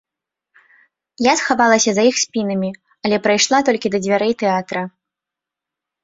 Я схавалася за іх спінамі, але прайшла толькі да дзвярэй тэатра.